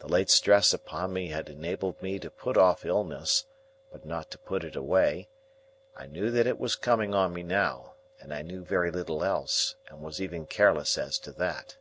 The late stress upon me had enabled me to put off illness, but not to put it away; I knew that it was coming on me now, and I knew very little else, and was even careless as to that.